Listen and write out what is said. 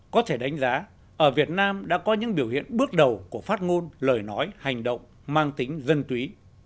có thể đánh giá ở việt nam đã có những biểu hiện bước đầu của phát ngôn lời nói hành động mang tính dân túy